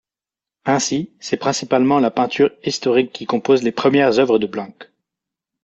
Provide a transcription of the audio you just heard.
Ainsi c'est principalement la peinture historique qui compose les premières œuvres de Blunck.